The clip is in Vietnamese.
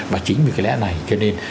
và chính vì cái lẽ này cho nên